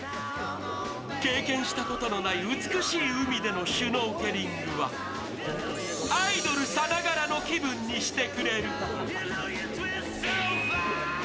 経験したことのない美しい海でのシュノーケリングはアイドルさながらの気分にしてくれる。